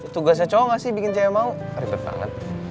tugasnya cowok gak sih bikin cewek mau ribet banget